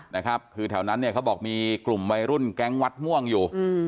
แถวนั้นเขาก็เบาะว่ามีกลุ่มวัยรุ่นแก๊งวัดม่วงอยู่